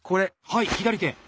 はい左手。